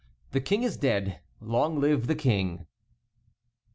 THE KING IS DEAD! LONG LIVE THE KING!